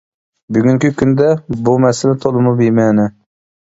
بۈگۈنكى كۈندە بو مەسىلە تولىمۇ بىمەنە!